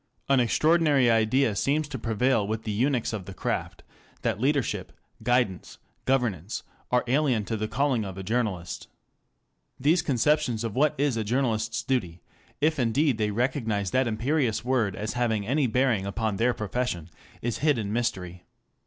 An extraordinary idea seems to prevail with the eunuchs of the craft, that leadership, guidance, governance, are alien to the calling of a journalist. These conceptions of what is a journalist's duty, if indeed they recognize that imperious word as having any bearing upon their profession, is hid in mystery.